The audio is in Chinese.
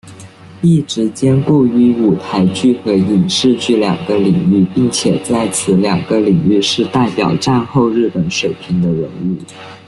一直兼顾于舞台剧和影视剧两个领域并且在此两个领域是代表战后日本水平的人物。